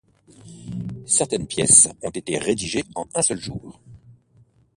Certaines pièces ont été rédigées en un seul jour.